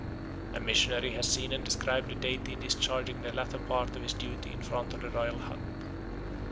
A missionary has seen and described the deity discharging the latter part of his duty in front of the royal hut.